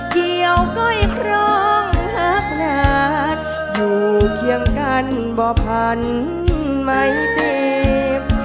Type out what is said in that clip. เกี่ยวก้อยครองหักหนาดอยู่เคียงกันบ่อพันไม่เต็ม